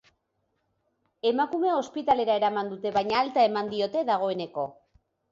Emakumea ospitalera eraman dute, baina alta eman diote, dagoeneko.